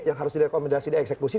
yang harus direkomendasi di eksekusi